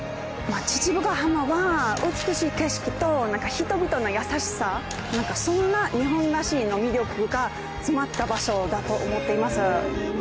父母ヶ浜は美しい景色と人々の優しさ何かそんな日本らしい魅力が詰まった場所だと思っています。